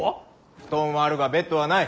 布団はあるがベッドはない。